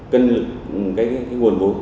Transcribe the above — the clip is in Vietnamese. cân lực nguồn vụ